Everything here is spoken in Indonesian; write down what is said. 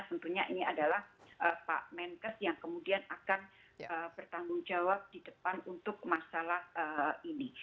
tentunya ini adalah pak menkes yang kemudian akan bertanggung jawab di depan untuk masalah ini